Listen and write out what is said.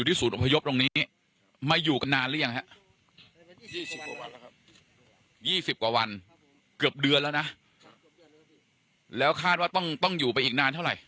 เกือบเดือนแล้วนะครับคือเดือนแล้วขาดว่าต้องต้องอยู่ไปอีกนานเท่าไหร่